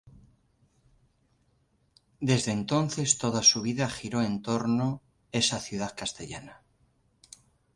Desde entonces, toda su vida giró en torno esa ciudad castellana.